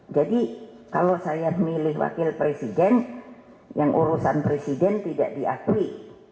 jadi kalau saya milih wakil presiden yang urusan presiden tidak diakui